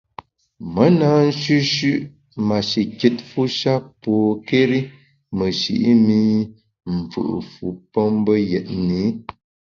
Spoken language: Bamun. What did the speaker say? Me na nshüshü’ mashikitfu sha pokéri meshi’ mi mfù’ fu pe mbe yetni.